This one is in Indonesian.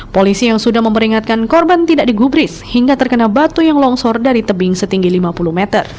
polisi yang sudah memperingatkan korban tidak digubris hingga terkena batu yang longsor dari tebing setinggi lima puluh meter